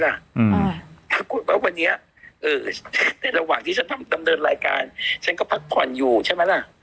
ถ้าคุณว่าวันนี้ในระหว่างที่ฉันดำเนินรายการฉันก็พักผ่อนอยู่ใช่ไหมล่ะ